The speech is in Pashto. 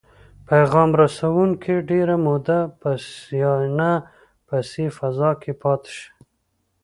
پیغام رسوونکي ډیره موده په سیناپسي فضا کې پاتې شي.